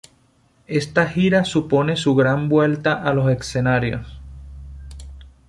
Esta gira supone su gran vuelta a los escenarios.